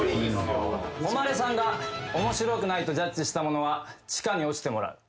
誉さんが面白くないとジャッジした者は地下に落ちてもらう。